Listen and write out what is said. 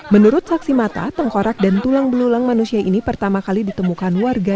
menurut saksi mata tengkorak dan tulang belulang manusia ini pertama kali ditemukan warga